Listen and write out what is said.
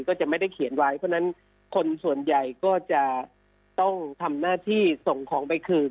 ก็จะไม่ได้เขียนไว้เพราะฉะนั้นคนส่วนใหญ่ก็จะต้องทำหน้าที่ส่งของไปคืน